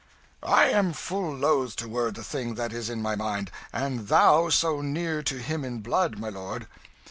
"I am full loth to word the thing that is in my mind, and thou so near to him in blood, my lord.